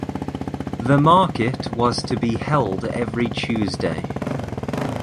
The market was to be held every Tuesday.